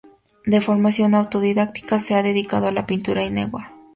De formación autodidacta, se ha dedicado a la pintura ingenua.